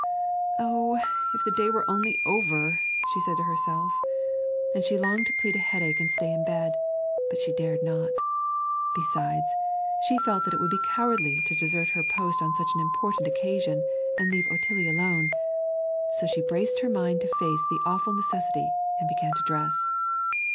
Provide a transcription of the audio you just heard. "Oh, if the day were only over!" she said to herself; and she longed to plead a headache and stay in bed, but she dared not. Besides, she felt that it would be cowardly to desert her post on such an important occasion and leave Otillie alone; so she braced her mind to face the awful necessity and began to dress.